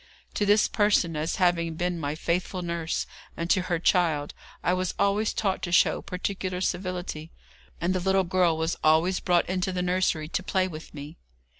To this person, as having been my faithful nurse, and to her child, I was always taught to show particular civility, and the little girl was always brought into the nursery to play with me.